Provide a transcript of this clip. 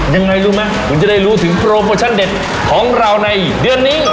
ยังไงรู้ไหมคุณจะได้รู้ถึงโปรโมชั่นเด็ดของเราในเดือนนี้